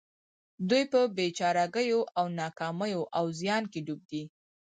دوی په بې چارګيو او ناکاميو او زيان کې ډوب دي.